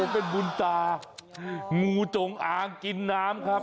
เป็นบุญตางูจงอางกินน้ำครับ